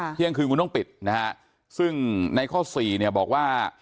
เที่ยงคืนคุณต้องปิดนะฮะซึ่งในข้อสี่เนี่ยบอกว่า